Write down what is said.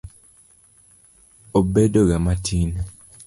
Obedoga matin.